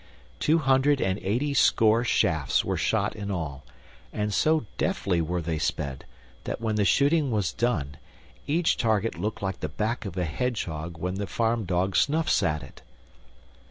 Two hundred and eighty score shafts were shot in all, and so deftly were they sped that when the shooting was done each target looked like the back of a hedgehog when the farm dog snuffs at it.